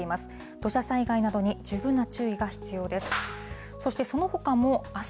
土砂災害などに十分な注意が必要です。